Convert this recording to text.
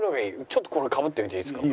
ちょっとこれかぶってみていいですか？